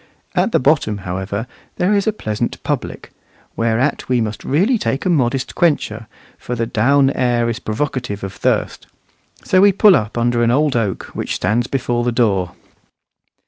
At the bottom, however, there is a pleasant public; whereat we must really take a modest quencher, for the down air is provocative of thirst. So we pull up under an old oak which stands before the door.